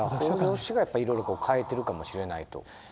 北条氏がやっぱいろいろ変えてるかもしれないと。